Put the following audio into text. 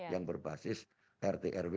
yang berbasis rt rw